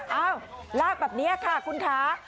เอ้าลากแบบนี้ค่ะคุณค้า